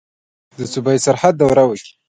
چې د صوبه سرحد دوره وکړي.